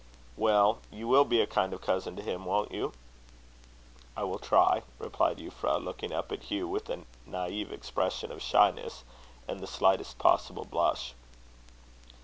"Well, you will be a kind cousin to him, won't you?" "I will try," replied Euphra, looking up at Hugh with a naive expression of shyness, and the slightest possible blush.